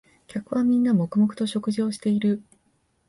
客はみんな黙々と食事をしている